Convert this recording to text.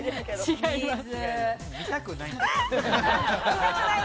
違います。